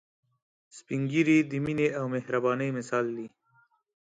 سپین ږیری د مينه او مهربانۍ مثال دي